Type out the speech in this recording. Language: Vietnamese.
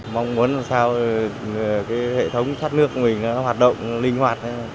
mong muốn làm sao hệ thống sát nước của mình hoạt động linh hoạt